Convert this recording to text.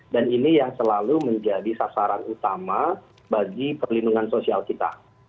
dan ini yang selalu menjadi sasaran utama bagi perlindungan sosial kita